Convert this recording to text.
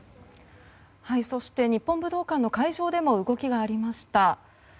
そして日本武道館の会場でも動きがありました。